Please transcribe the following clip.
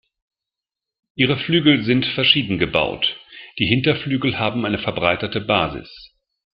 Ihre Flügel sind verschieden gebaut: Die Hinterflügel haben eine verbreiterte Basis.